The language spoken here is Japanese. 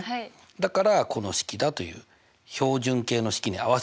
だからこの式だという標準形の式に合わせてくれたのね。